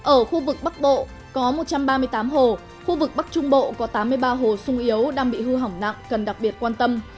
ở khu vực bắc bộ có một trăm ba mươi tám hồ khu vực bắc trung bộ có tám mươi ba hồ sung yếu đang bị hư hỏng nặng cần đặc biệt quan tâm